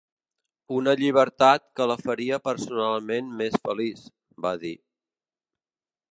Una llibertat que la faria personalment més feliç, va dir.